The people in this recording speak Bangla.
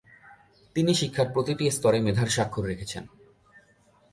তিনি শিক্ষার প্রতিটি স্তরে মেধার স্বাক্ষর রেখেছেন।